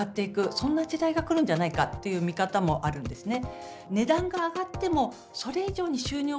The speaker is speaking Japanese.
そんな時代が来るんじゃないかという見方もあるんですね。